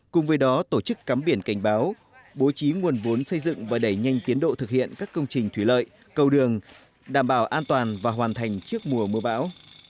cùng với đó tổ chức cắm biển cảnh báo bố trí nguồn vốn xây dựng và đẩy nhanh tiến độ thực hiện các công trình thủy lợi cầu đường đảm bảo an toàn và hoàn thành trước mùa mưa bão